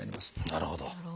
なるほど。